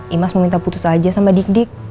imas mau minta putus aja sama dik dik